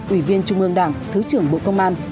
ủy viên trung ương đảng thứ trưởng bộ công an